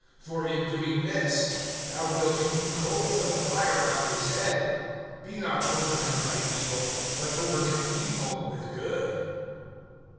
For, in doing this, Thou wilt heap coals of fire on his head. (21)Be not overcome by evil, but overcome evil with good.